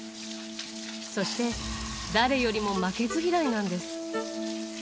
そして誰よりも負けず嫌いなんです。